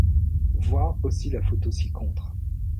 Voir aussi la photo ci-contre.